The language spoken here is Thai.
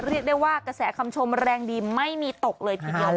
เรียกได้ว่ากระแสคำชมแรงดีไม่มีตกเลยทีเดียว